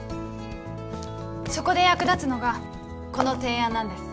そこで役立つのがこの提案なんです